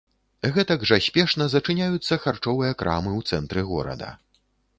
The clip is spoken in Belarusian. Гэтак жа спешна зачыняюцца харчовыя крамы ў цэнтры горада.